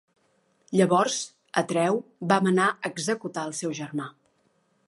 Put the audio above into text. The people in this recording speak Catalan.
Llavors, Atreu va manar executar el seu germà.